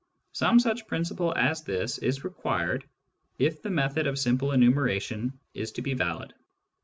Some such principle as this is required if the method of simple enumeration is to be valid.